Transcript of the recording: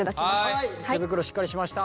はい手袋しっかりしました。